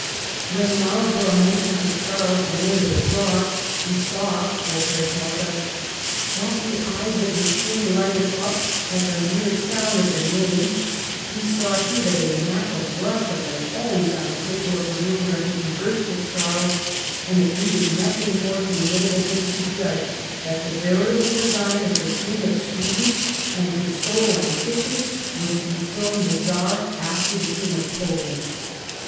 When Marlborough mentioned to Charles the name of the Czar he saw, Voltaire tells us, ' that the eyes of the King Hghted up at the mere sound of the name ; he saw too that a map of Eussia lay always on the table of the room where he conversed with Charles, and it needed nothing more to enable him to judge that the veritable design of the King of Sweden and his sole ambition were to dethrone the 1707 VOLTAIRE'S VIEWS. 9 Czar after the King of Poland.'